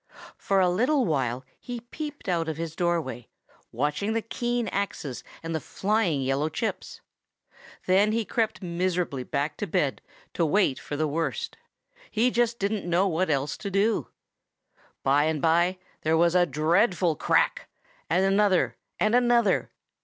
For a little while he peeped out of his doorway, watching the keen axes and the flying yellow chips. Then he crept miserably back to bed to wait for the worst. He just didn't know what else to do. By and by there was a dreadful crack, and another and another.